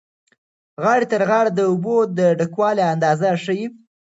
غاړې تر غاړې د اوبو د ډکوالي اندازه ښیي.